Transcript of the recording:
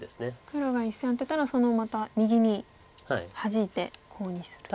黒が１線アテたらそのまた右にハジいてコウにすると。